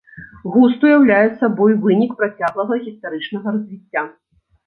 Густ уяўляе сабой вынік працяглага гістарычнага развіцця.